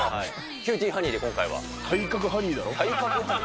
キューティーハニーですよ。